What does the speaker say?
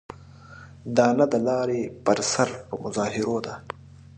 دا نه د لارو پر سر په مظاهرو ده.